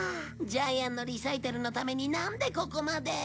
ジャイアンのリサイタルのためになんでここまで。